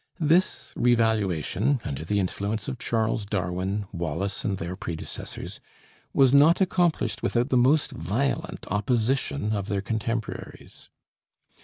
This re valuation, under the influence of Charles Darwin, Wallace and their predecessors, was not accomplished without the most violent opposition of their contemporaries.